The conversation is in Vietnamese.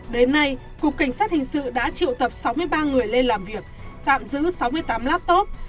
đến nay cục cảnh sát hình sự đã triệu tập sáu mươi ba người lên làm việc tạm giữ sáu mươi tám laptop